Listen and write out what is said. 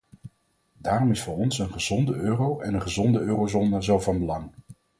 Daarom is voor ons een gezonde euro en een gezonde eurozone zo van belang.